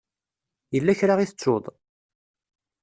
Yella kra i tettuḍ?